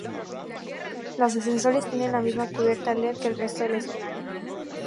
Los ascensores tiene la misma cubierta led que el resto del escenario.